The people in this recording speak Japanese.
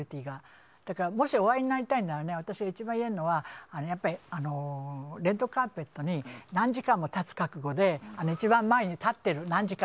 だからもしお会いになりたいなら私が一番言えるのはレッドカーペットに何時間も立つ覚悟で一番前に立ってる。